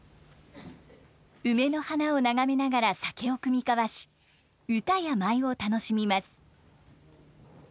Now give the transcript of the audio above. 梅の花を眺めながら酒を酌み交わし歌や舞を楽しみます。